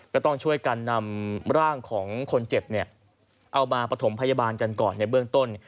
ก็ต้องช่วยกันนำร่างของคนเจ็บเอามาปฐมพยาบาลกันก่อนในเบื้องต้น